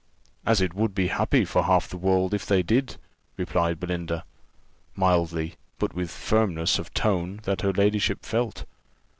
"As it would be happy for half the world if they did," replied Belinda, mildly, but with a firmness of tone that her ladyship felt.